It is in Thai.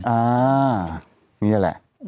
อันนี้แหละ